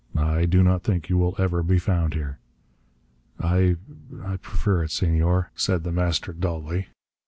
I do not think you will ever be found here." "I prefer it, Senor," said The Master dully.